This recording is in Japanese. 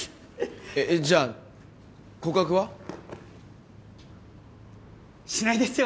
えじゃあ告白は？しないですよ